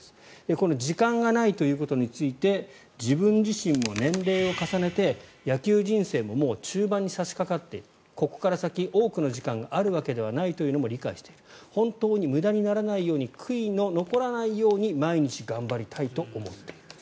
この、時間がないということについて自分自身も年齢を重ねて野球人生ももう中盤に差しかかっているここから先、多くの時間があるわけではないというのも理解している本当に無駄にならないように悔いの残らないように毎日頑張りたいと思っていると。